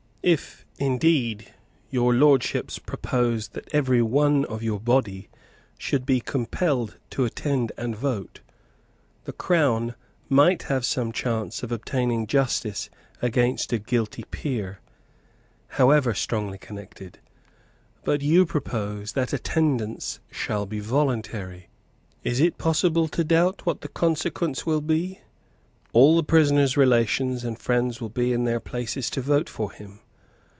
If, indeed, your Lordships proposed that every one of your body should be compelled to attend and vote, the Crown might have some chance of obtaining justice against a guilty peer, however strongly connected. But you propose that attendance shall be voluntary. Is it possible to doubt what the consequence will be? All the prisoner's relations and friends will be in their places to vote for him.